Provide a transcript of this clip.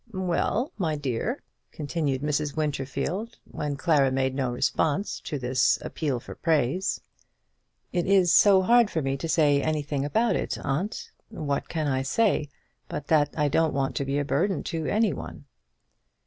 "Well, my dear," continued Mrs. Winterfield, when Clara made no response to this appeal for praise. "It is so hard for me to say anything about it, aunt. What can I say but that I don't want to be a burden to any one?"